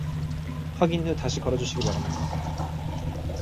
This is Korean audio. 확인 후 다시 걸어주시기 바랍니다.